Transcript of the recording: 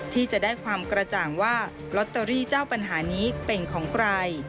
ที่จะได้ความกระจ่างว่าลอตเตอรี่เจ้าปัญหานี้เป็นของใคร